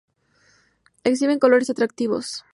Exhiben colores atractivos.